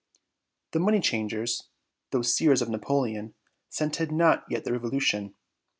The money changers, those seers of Napoleon, scented not yet the revolution.